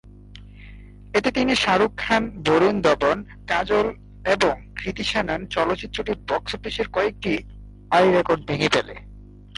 এতে তিনি শাহরুখ খান, বরুণ ধবন, কাজল এবং কৃতি শ্যানন, চলচ্চিত্রটি বক্স অফিসের কয়েকটি আয়ের রেকর্ড ভেঙ্গে ফেলে।